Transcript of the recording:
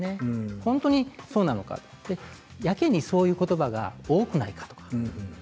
本当にそうなのかやけにそういうことばが多くないかとか。